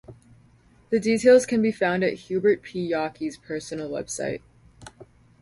The details can be found at Hubert P. Yockey's personal website.